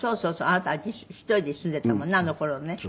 あなた１人で住んでいたもんねあの頃ね。